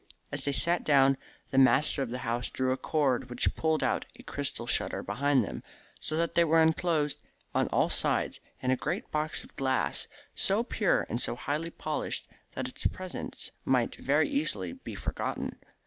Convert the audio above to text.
As they sat down the master of the house drew a cord which pulled out a crystal shutter behind them, so that they were enclosed on all sides in a great box of glass, so pure and so highly polished that its presence might very easily be forgotten.